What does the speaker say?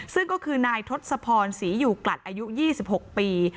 ซึ่งก็คือนายทศพรศรีอยู่กลัดอายุ๒๖ปี